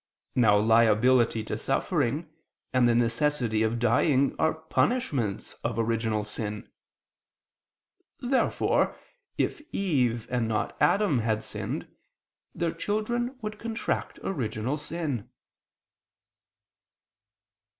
Now liability to suffering and the necessity of dying are punishments of original sin. Therefore if Eve, and not Adam, had sinned, their children would contract original sin.